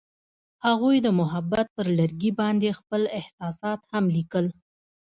هغوی د محبت پر لرګي باندې خپل احساسات هم لیکل.